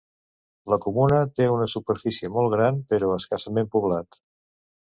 La comuna té una superfície molt gran, però escassament poblat.